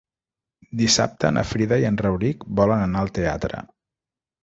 Dissabte na Frida i en Rauric volen anar al teatre.